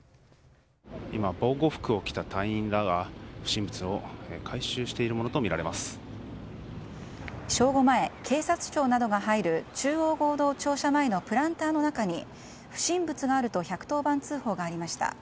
今、防護服を着た隊員らが不審物を正午前、警察庁などが入る中央合同庁舎前のプランターの中に不審物があると１１０番通報がありました。